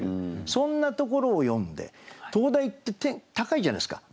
そんなところを詠んで灯台って高いじゃないですか。